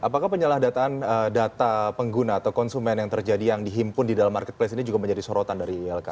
apakah penyalah data pengguna atau konsumen yang terjadi yang dihimpun di dalam marketplace ini juga menjadi sorotan dari ilk